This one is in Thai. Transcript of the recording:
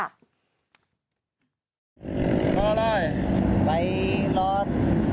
รับทราบ